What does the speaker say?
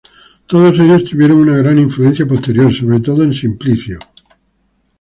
Todos ellos tuvieron una gran influencia posterior, sobre todo en Simplicio.